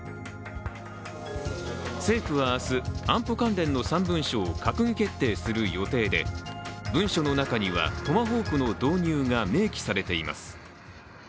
政府は明日、安保関連の３文書を閣議決定する予定で、文書の中には、トマホークの導入が明記されています。